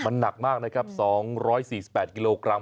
มันหนักมากนะครับ๒๔๘กิโลกรัม